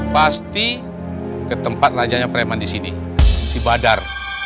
pasti ke tempat rajanya preman di sini sibadar